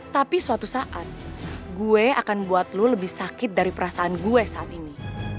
tapi suatu saat gue akan buat lo lebih sakit dari perasaan gue saat ini